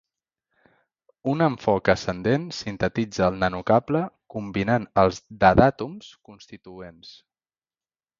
Un enfoc ascendent sintetitza el nanocable combinant els d'adàtoms constituents.